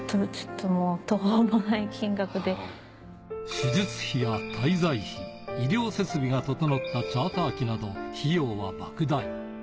手術費や滞在費、医療設備が整ったチャーター機など、費用は莫大。